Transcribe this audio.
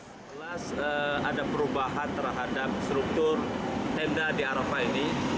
jelas ada perubahan terhadap struktur tenda di arafah ini